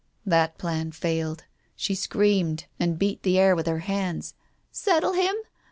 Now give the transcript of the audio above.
That plan failed. She screamed, and beat the air with her hands. "Settle him?